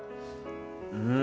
うん。